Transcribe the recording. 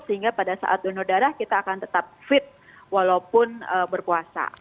sehingga pada saat donor darah kita akan tetap fit walaupun berpuasa